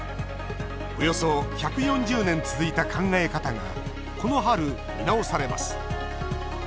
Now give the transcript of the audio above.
およそ１４０年続いた考え方がこの春、見直されます。